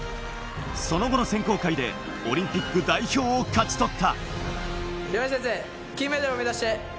その後の選考会でオリンピック代表を勝ち取った。